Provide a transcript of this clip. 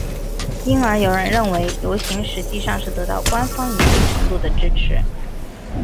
因而有人认为游行实际上是得到官方一定程度的支持。